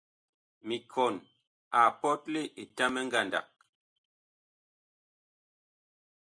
Mikɔn a pɔtle Etamɛ ngandag.